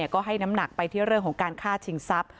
ก็ให้น้ำหนักไปที่เรื่องของการฆ่าชิงทรัพย